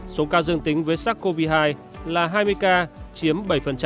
số ca dương tính với sắc covid một mươi chín là hai mươi ca chiếm bảy